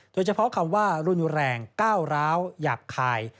โดยเฉพาะคำว่ารุนแรงก้าวร้าวหยาบคาย